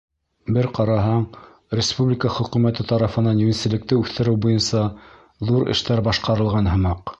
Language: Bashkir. Бер ҡараһаң, республика Хөкүмәте тарафынан йүнселлекте үҫтереү буйынса ҙур эштәр башҡарылған һымаҡ.